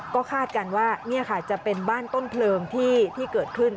ก็คาดกันว่านี่ค่ะจะเป็นบ้านต้นเพลิงที่เกิดขึ้น